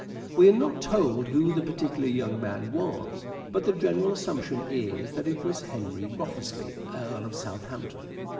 We are not told who the particular young man was ; but the general assumption is that it was Henry Wriothesley, Earl of Southampton.